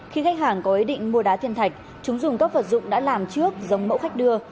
khi khách hàng có ý định mua đá thiên thạch chúng dùng các vật dụng đã làm trước giống mẫu khách đưa